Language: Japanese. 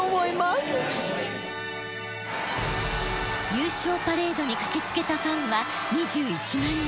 優勝パレードに駆けつけたファンは２１万人。